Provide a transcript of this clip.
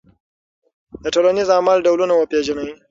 د ټولنیز عمل ډولونه وپېژنئ.